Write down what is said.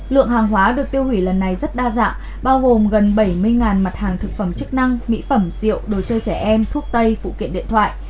lượng hàng hóa được tiêu hủy lần này rất đa dạng bao gồm gần bảy mươi mặt hàng thực phẩm chức năng mỹ phẩm rượu đồ chơi trẻ em thuốc tây phụ kiện điện thoại